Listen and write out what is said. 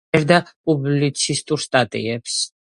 წერდა პუბლიცისტურ სტატიებს.